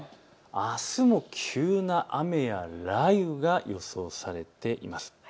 あすも急な雨や雷雨が予想されています。